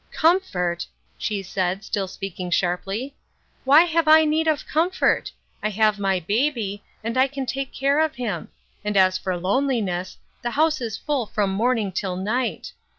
" Comfort !" she said, still speaking sharply. "Why have I need of comfort? I have my baby, and I can take care of him ; and as for loneliness, the house is full from morning till night.